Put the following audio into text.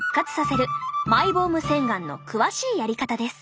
マイボーム洗顔の詳しいやり方です。